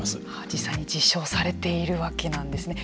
実際に実証されているわけなんですね。